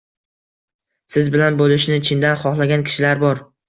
Siz bilan bo’lishni chindan xohlagan kishilar bor.